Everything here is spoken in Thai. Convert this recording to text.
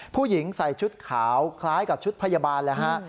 ผู้หญิงใส่ชุดขาวคล้ายกับชุดพยาบาลเลยฮะ